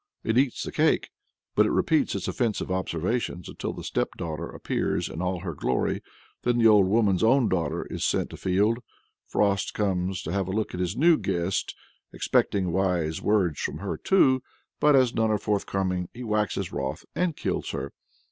It eats the cake, but it repeats its offensive observations, until the stepdaughter appears in all her glory. Then the old woman's own daughter is sent afield. Frost comes to have a look at his new guest, expecting "wise words" from her too. But as none are forthcoming, he waxes wroth, and kills her.